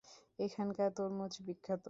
এখানকার তরমুজ বিখ্যাত।